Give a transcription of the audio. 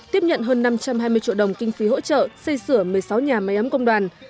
tiếp nhận hơn năm trăm hai mươi triệu đồng kinh phí hỗ trợ xây sửa một mươi sáu nhà máy ấm công đoàn